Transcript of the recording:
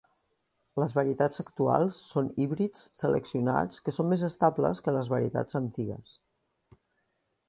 Les varietats actuals són híbrids seleccionats que són més estables que les varietats antigues.